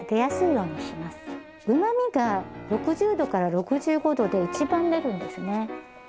うまみが６０℃６５℃で一番出るんですね。